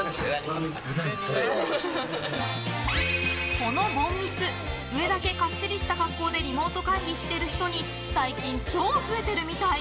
この凡ミス上だけかっちりした格好でリモート会議してる人に最近、超増えてるみたい。